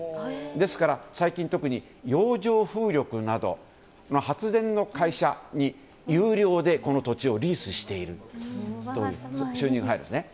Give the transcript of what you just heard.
ですから、最近特に洋上風力など発電の会社に有料でこの土地をリースしていると収入が入るんですね。